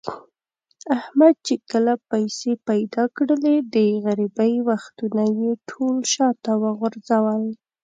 احمد چې کله پیسې پیدا کړلې، د غریبۍ وختونه یې ټول شاته و غورځول.